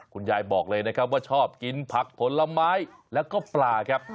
คุณยายบอกเลยนะครับว่าชอบกินผักผลไม้แล้วก็ปลาครับ